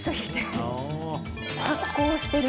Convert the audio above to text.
発光してる。